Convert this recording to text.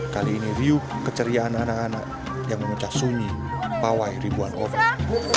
kali ini riuh keceriaan anak anak yang memecah sunyi pawai ribuan orang